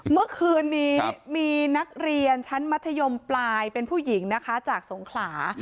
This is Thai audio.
เมื่อคืนนี้มีนักเรียนชั้นมัธยมปลายเป็นผู้หญิงนะคะจากสงขลา